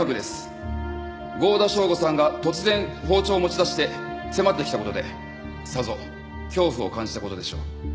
剛田祥吾さんが突然包丁を持ち出して迫ってきた事でさぞ恐怖を感じた事でしょう。